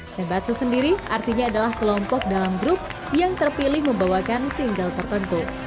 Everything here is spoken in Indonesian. sebatsu sendiri artinya adalah kelompok dalam grup yang terpilih membawakan single tertentu